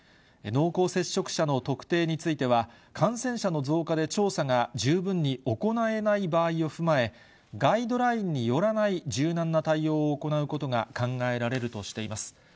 濃厚接触者の特定については、感染者の増加で調査が十分に行えない場合を踏まえ、ガイドラインによらない柔軟な対応を行うことが考えられるとしています。